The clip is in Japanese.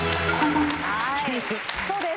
そうです。